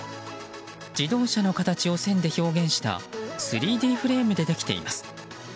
自動車の形を線で表現した３Ｄフレームでできています。